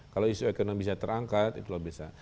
kalau isu ekonomi bisa terangkat itu luar biasa